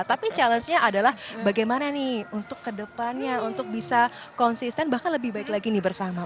tapi challenge nya adalah bagaimana nih untuk kedepannya untuk bisa konsisten bahkan lebih baik lagi nih bersama